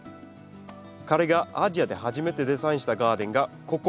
彼がアジアで初めてデザインしたガーデンがここ